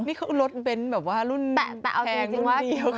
นี่เขารถเป็นแบบว่ารุ่นแพงรุ่นนิว